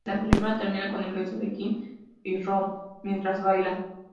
La película termina con el beso de Kim y Ron mientras bailan.